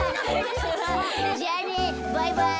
じゃあねバイバイ。